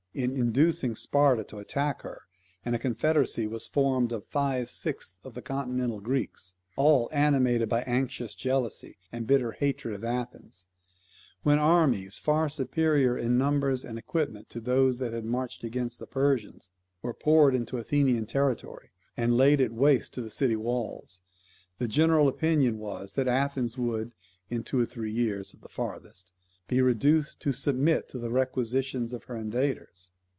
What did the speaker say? in inducing Sparta to attack her, and a confederacy was formed of five sixths of the continental Greeks, all animated by anxious jealousy and bitter hatred of Athens; when armies far superior in numbers and equipment to those which had marched against the Persians were poured into the Athenian territory, and laid it waste to the city walls; the general opinion was that Athens would, in two or three years at the farthest, be reduced to submit to the requisitions of her invaders.